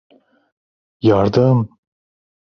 Yardım!